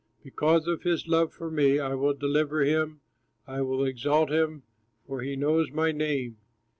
"Because of his love for me I will deliver him, I will exalt him, for he knows my name.